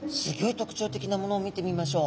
特徴的な物を見てみましょう。